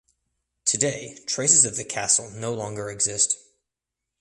Today traces of the castle no longer exist.